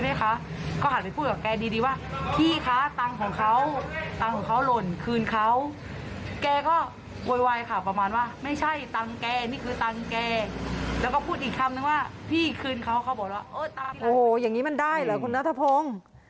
แล้วก็พูดอีกคำนึงว่าพี่คืนเขาเขาบอกว่าโอ้โหอย่างนี้มันได้เหรอคุณนัทพงศ์